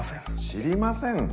「知りません」？